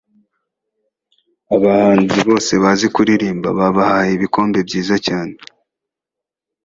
abahanzi bose bazi kuririmba babahaye ibikombe byiza cyane